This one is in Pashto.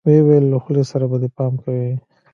ويې ويل له خولې سره به دې پام کوې.